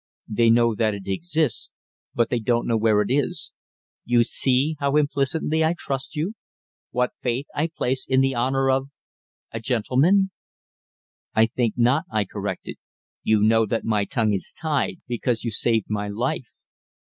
"They know that it exists, but they don't know where it is. You see how implicitly I trust you, what faith I place in the honour of a gentleman." "I think not," I corrected. "You know that my tongue is tied because you saved my life.